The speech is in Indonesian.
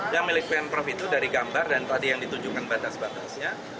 yang milik pemprov itu dari gambar dan tadi yang ditunjukkan batas batasnya